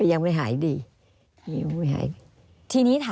อันดับ๖๓๕จัดใช้วิจิตร